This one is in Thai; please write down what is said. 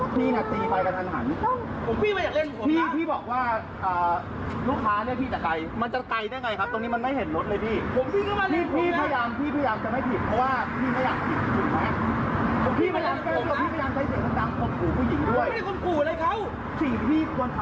พี่ควรจะช่วยเขาไปยืนก่อนแล้วเรื่องมันจะจบง่ายกว่านี้